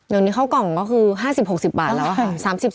เดี๋ยวนี้เข้ากล่องก็คือ๕๐๖๐บาทแล้วค่ะ